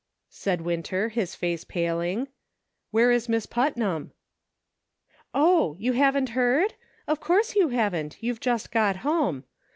asked Winter, his face paling; "where is Miss Putnam .■•"" Oh ! you haven't heard ? Of course you haven't ; you've just got home.